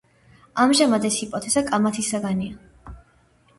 ამჟამად ეს ჰიპოთეზა კამათის საგანია.